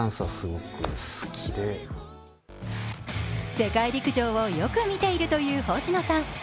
世界陸上をよく見ているという星野さん。